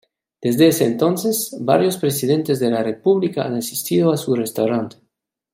Desde ese entonces, varios presidentes de la república han asistido a su restaurante.